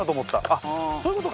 あっそういう事か。